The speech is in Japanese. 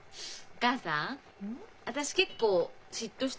お義母さん